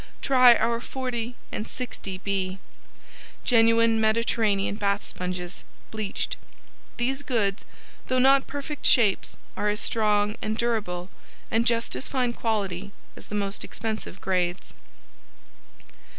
Try Our 40 and 60 B: Genuine Mediterranean Bath Sponges Bleached These goods, though not perfect shapes, are as strong and durable and just as fine quality as the most expensive grades.